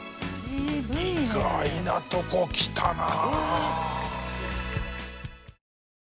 意外なとこきたな。